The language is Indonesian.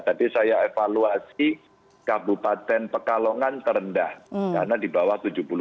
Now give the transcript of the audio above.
tadi saya evaluasi kabupaten pekalongan terendah karena di bawah tujuh puluh delapan